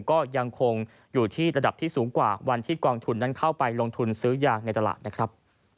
ก็ยังคงอยู่ที่ระดับที่สูงกว่าวันที่กองทุนนั้นเข้าไปลงทุนซื้อยางในตลาดนะครับ